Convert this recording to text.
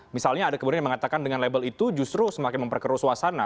misalnya ada kemudian yang mengatakan dengan label itu justru semakin memperkeruh suasana